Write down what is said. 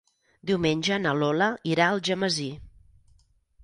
Diumenge na Lola irà a Algemesí.